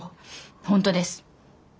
本当です。